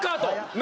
何？